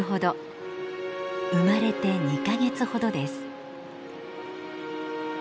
生まれて２か月ほどです。